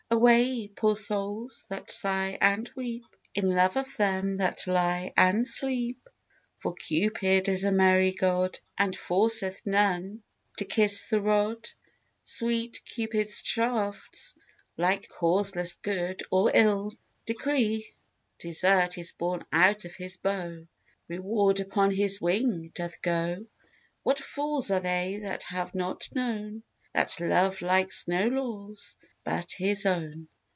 Away, poor souls, that sigh and weep, In love of them that lie and sleep! For Cupid is a merry god, And forceth none to kiss the rod. Sweet Cupid's shafts, like Destiny, Do causeless good or ill decree; Desert is borne out of his bow, Reward upon his wing doth go: What fools are they that have not known That Love likes no laws but his own!